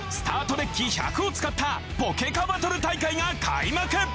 デッキ１００を使ったポケカバトル大会が開幕！